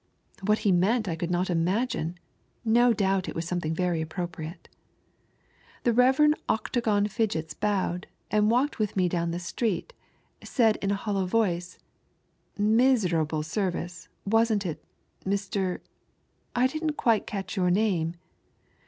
What he meant I could not imagine, no douht it was somethiDg very appropriate. The Rev. Octagon Fidgets bowed, and waiking with me down the street, said in a hollow voice, " Miserable service, wasn't it, Mr. 1 didn't quite catch yom' name.